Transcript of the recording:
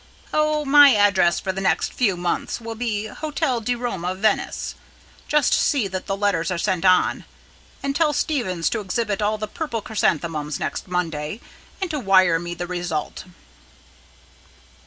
"Oh, my address for the next few months will be Hotel di Roma, Venice. Just see that the letters are sent on. And tell Stevens to exhibit all the purple chrysanthemums next Monday, and to wire me the result."